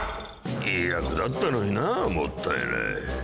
いい役だったのになもったいない。